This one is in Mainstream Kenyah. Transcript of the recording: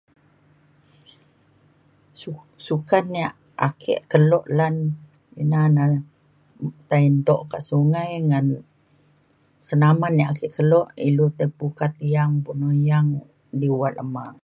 Su- sukan yak ake kelo lan ina na tai entok kak sungai ngan senaman yak ake kelo ilu tai pukat yang pemuyang liwet lema